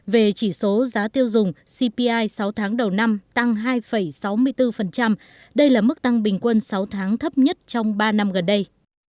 về chỉ số giá tiêu dùng cpi sáu tháng đầu năm tăng hai sáu mươi bốn đây là mức tăng bình quân sáu tháng thấp nhất trong ba năm gần đây